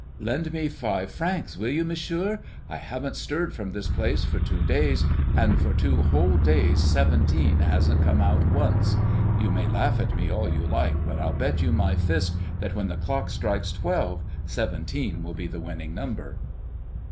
"Lend me five francs, will you, Monsieur? I haven't stirred from this place for two days, and for two whole days seventeen hasn't come out once. You may laugh at me all you like, but I'll bet you my fist that when the clock strikes twelve, seventeen will be the winning number."